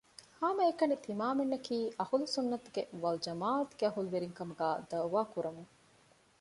ހަމައެކަނި ތިމާމެންނަކީ އަހުލު ސުއްނަތު ވަލްޖަމާޢަތުގެ އަހުލުވެރިން ކަމުގައި ދަޢުވާ ކުރަމުން